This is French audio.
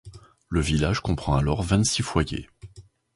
Le village comprend alors vingt-six foyers.